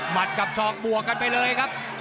หมัดกับ๒บวกกันไปเลยครับ